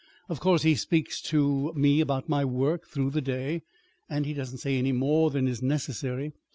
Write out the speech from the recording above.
Of course he speaks to me about my work through the day; but he doesn't say any more than is necessary.